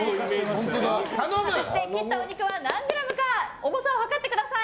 果たして、切ったお肉は何グラムか重さを量ってください。